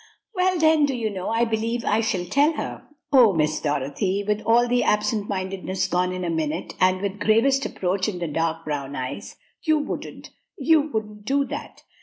"Well, then, do you know, I believe I shall tell her." "Oh, Miss Dorothy," with all the absent mindedness gone in a minute, and with gravest reproach in the dark brown eyes, "you wouldn't you wouldn't do that!"